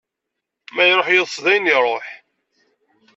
Ma iruḥ yiḍes, dayen iruḥ!